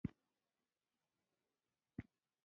د روم امپراتور دا وړاندیز یې رد نه کړ